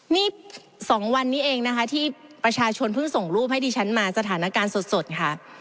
นี่๒วันนี้เองนะคะที่ประชาชนเพิ่งส่งรูปให้ดิฉันมาสถานการณ์สดค่ะ